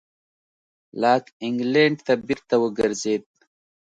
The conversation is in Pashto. لاک انګلېنډ ته بېرته وګرځېد.